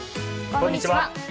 こんにちは。